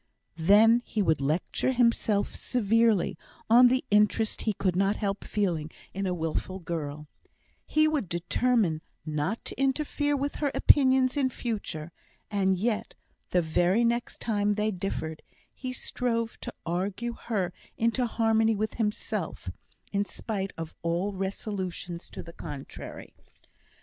Then he would lecture himself severely on the interest he could not help feeling in a wilful girl; he would determine not to interfere with her opinions in future, and yet, the very next time they differed, he strove to argue her into harmony with himself, in spite of all resolutions to the contrary.